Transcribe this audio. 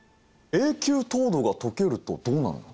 永久凍土が溶けるとどうなるの？